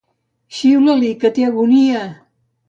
Xiula-li, que té agonia!